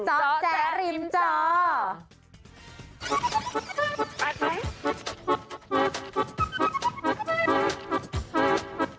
เจาะแจ๊ะริมเจาะ